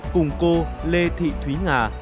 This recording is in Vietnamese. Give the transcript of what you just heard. cùng cô lê thị thúy ngà